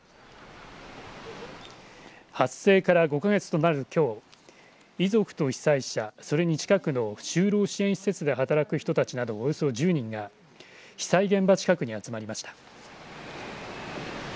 発生から５か月となるきょう遺族と被災者それに近くの就労支援施設で働く人たちなどおよそ１０人が被災現場近くに集まりました。